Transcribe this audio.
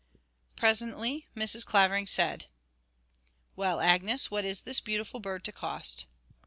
Presently Mrs. Clavering said: 'Well, Agnes, what is this beautiful bird to cost?'